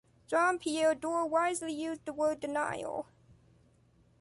Jean-Pierre Door wisely used the word «denial».